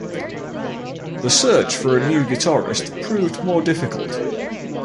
The search for a new guitarist proved more difficult.